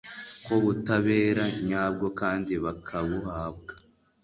ku butabera nyabwo kandi bakabuhabwa